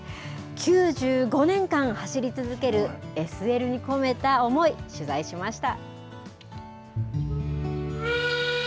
９５年間走り続けるＳＬに込めた思い、取材しました。